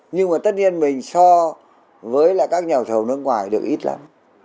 nhưng mà tất nhiên mình so với là các nhà thầu nước ngoài được ít lắm